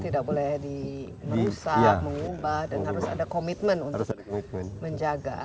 tidak boleh di merusak mengubah dan harus ada komitmen untuk menjaga